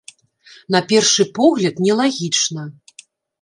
На першы погляд, нелагічна.